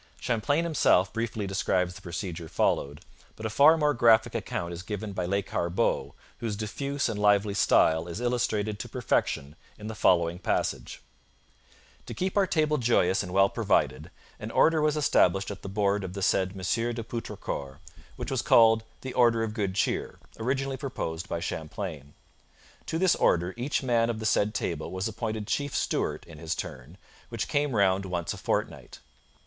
Champlain himself briefly describes the procedure followed, but a far more graphic account is given by Lescarbot, whose diffuse and lively style is illustrated to perfection in the following passage: To keep our table joyous and well provided, an order was established at the board of the said M. de Poutrincourt, which was called the Order of Good Cheer, originally proposed by Champlain. To this Order each man of the said table was appointed Chief Steward in his turn, which came round once a fortnight.